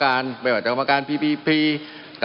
มันมีมาต่อเนื่องมีเหตุการณ์ที่ไม่เคยเกิดขึ้น